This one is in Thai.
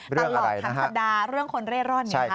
ตลอดทั้งสัปดาห์เรื่องคนเร่ร่อน